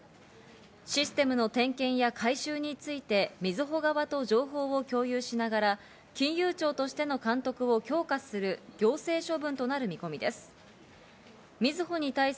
システムの点検や改修についてみずほ側と情報を共有しながら、金融庁としての監督を強化する行政処分となる見込みです。